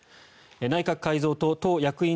内閣改造と党役員